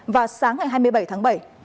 và sáng ngày hai mươi bảy tháng bảy